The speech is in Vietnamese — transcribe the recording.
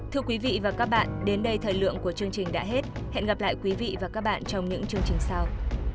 thưa quý vị và các bạn đến đây thời lượng của chương trình đã hết hẹn gặp lại quý vị và các bạn trong những chương trình sau